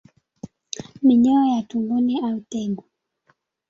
Minyoo ya tumboni au tegu